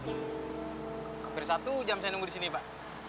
hampir satu jam saya nunggu disini pak